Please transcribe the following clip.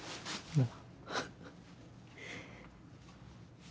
なあ。